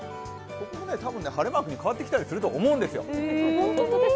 ここもたぶん、晴れマークに変わってきたりすると思うんですよ。